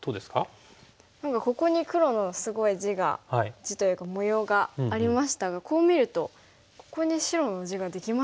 何かここに黒のすごい地が地というか模様がありましたがこう見るとここに白の地ができましたね。